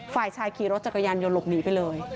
ฝ่ายชายขี่รถจักรยานยนต์หลบหนีไปเลย